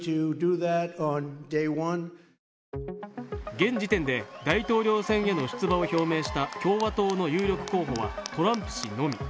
現時点で大統領選への出馬を表明した共和党の有力候補はトランプ氏のみ。